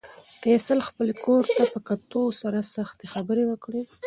فیصل خپلې خور ته په کتو سره سختې خبرې وکړې.